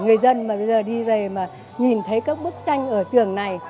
người dân mà bây giờ đi về mà nhìn thấy các bức tranh ở trường này